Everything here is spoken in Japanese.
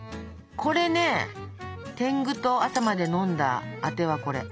これねてんぐと朝まで飲んだアテはこれ。